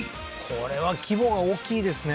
これは規模が大きいですね